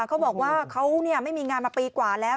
เขาบอกว่าเขาไม่มีงานมาปีกว่าแล้ว